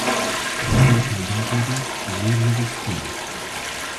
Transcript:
Di vê peldankê de jêrnivîs tune.